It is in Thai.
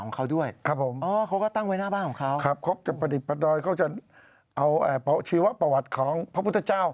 เกรงเป็นการออกสรรภ์